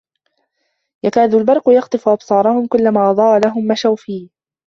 يَكَادُ الْبَرْقُ يَخْطَفُ أَبْصَارَهُمْ ۖ كُلَّمَا أَضَاءَ لَهُمْ مَشَوْا فِيهِ